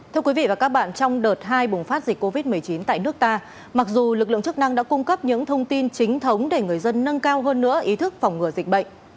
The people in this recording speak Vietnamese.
thưa quý vị và các bạn trong đợt hai bùng phát dịch covid một mươi chín tại nước ta mặc dù lực lượng chức năng đã cung cấp những thông tin chính thống để người dân nâng cao hơn nữa ý thức phòng ngừa dịch bệnh